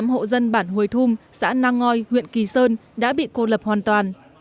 ba mươi tám hộ dân bản hùi thum xã nangoi huyện kỳ sơn đã bị cô lập hoàn toàn